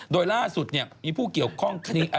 โดยล่าสุดมีผู้เกี่ยวข้องอะไรฮะอันนี้ม้า